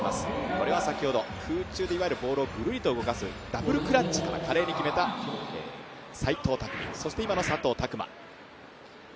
これは先ほど、空中でいわゆるボールをぐるりと動かすダブルクラッチから華麗に決めた齋藤拓実、そして今の佐藤卓磨。